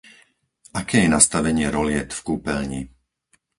Aké je nastavenie roliet v kúpeľni?